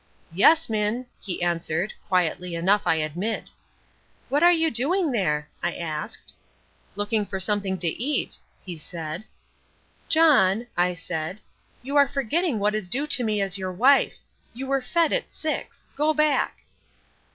"Yes, Minn," he answered, quietly enough, I admit. "What are you doing there?" I asked. "Looking for something to eat," he said. "John," I said, "you are forgetting what is due to me as your wife. You were fed at six. Go back."